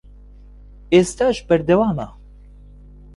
ئێستاش بەردەوامە